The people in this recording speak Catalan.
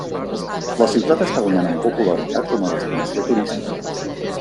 La ciutat està guanyant en popularitat com a destinació turística.